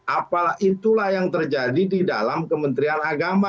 apalah itulah yang terjadi di dalam kementerian agama